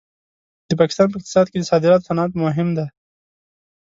د پاکستان په اقتصاد کې د صادراتو صنعت مهم دی.